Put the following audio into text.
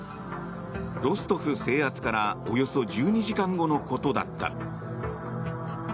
ロストフ制圧からおよそ１２時間後のことだった。